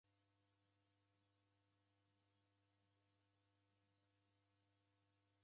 Mzuri wa ijo isanga orekunda kumlow'ua.